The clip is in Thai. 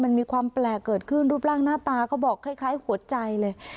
มันมีความแปลกเกิดขึ้นรูปร่างหน้าตาเขาบอกคล้ายหัวใจเลย